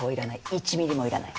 １ミリもいらない。